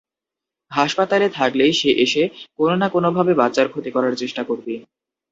হাসপাতালে থাকলেই সে এসে কোনো-না কোনোভাবে বাচ্চার ক্ষতি করার চেষ্টা করবে।